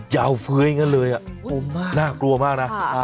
เฟ้ยอย่างนั้นเลยน่ากลัวมากนะ